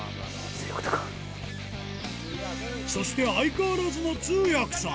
そして相変わらずの通訳さん